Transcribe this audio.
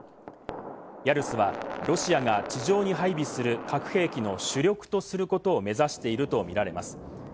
「ヤルス」はロシアが地上に配備する核兵器の主力とすることを目指しているとみられます。